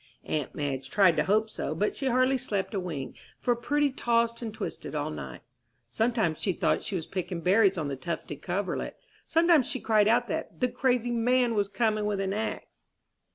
Aunt Madge tried to hope so, but she hardly slept a wink, for Prudy tossed and twisted all night. Sometimes she thought she was picking berries on the tufted coverlet. Sometimes she cried out that "the crazy man was coming with a axe."